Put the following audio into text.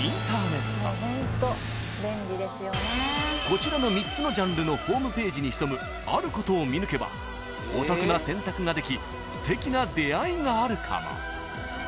［こちらの３つのジャンルのホームページに潜むあることを見抜けばお得な選択ができすてきな出会いがあるかも］